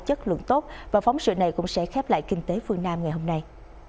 chất lượng tốt và phóng sự này cũng sẽ khép lại kinh tế phương nam ngày hôm nay